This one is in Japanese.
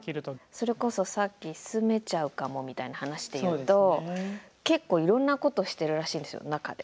それこそさっき住めちゃうかもみたいな話で言うと結構いろんなことをしてるらしいんですよ中で。